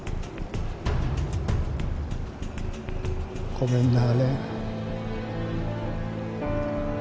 ごめんな。